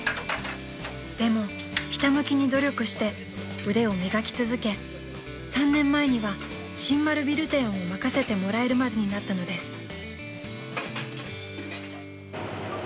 ［でもひた向きに努力して腕を磨き続け３年前には新丸ビル店を任せてもらえるまでになったのです］